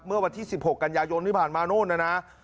เมื่อวันที่๑๖กันยายนที่ผ่านมานู่นนะนะ